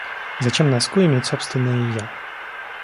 Зачем носку иметь собственное «я»?